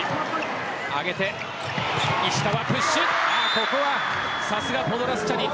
ここはさすがポドラシュチャニン。